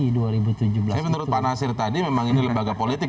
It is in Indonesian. menurut pak nasir tadi memang ini lembaga politik